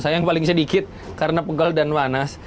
saya yang paling sedikit karena pegal dan panas